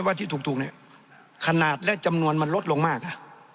ว่าที่ถูกเนี่ยขนาดและจำนวนมันลดลงมาก